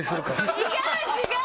違う違う！